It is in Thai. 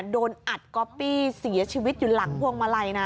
โดนอัดก๊อปปี้เสียชีวิตอยู่หลังพวงมาลัยนะ